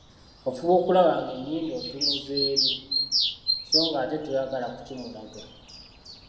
Ofuba okulaba ng'ennyindo otunuza eri, so ng'ate toyagala kukimulaga.